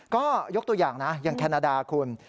ก็ยกตัวอย่างนะอย่างแคนาดาคุณ